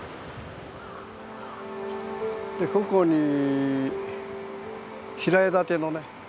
ここに平屋建てのね